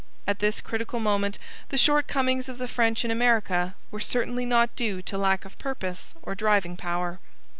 At this critical moment the shortcomings of the French in America were certainly not due to lack of purpose or driving power.